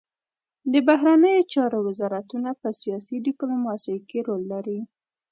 د بهرنیو چارو وزارتونه په سیاسي ډیپلوماسي کې رول لري